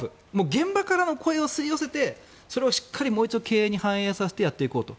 現場からの声を吸い寄せてそれをしっかり、もう一度経営に反映させてやっていこうと。